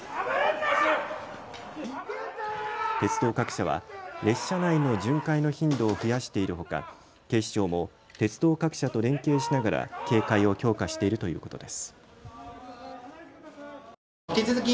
鉄道各社は列車内の巡回の頻度を増やしているほか警視庁も鉄道各社と連携しながら警戒を強化しているということです。